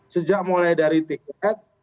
sejak mulai dari tiket